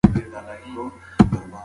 آیا ستا په کلي کې کتابتون سته؟